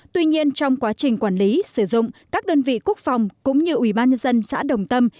tuy nhiên trong quá trình quản lý sử dụng các đơn vị quốc phòng cũng như ubnd xã đồng tâm